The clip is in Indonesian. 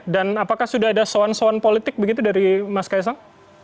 dan apakah sudah ada soan soan politik begitu dari mas kaisang